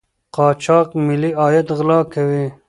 قاچاق ملي عاید غلا کوي.